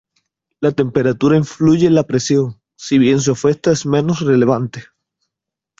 La temperatura influye en la presión, si bien su efecto es menos relevante.